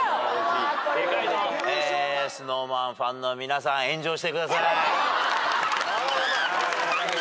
ＳｎｏｗＭａｎファンの皆さん炎上してください。